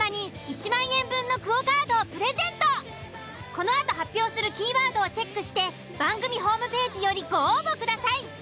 このあと発表するキーワードをチェックして番組ホームページよりご応募ください。